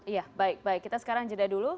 ya baik baik kita sekarang jeda dulu